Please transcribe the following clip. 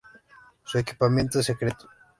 Su equipamiento es secreto.